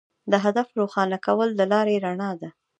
د هدف روښانه کول د لارې رڼا ده.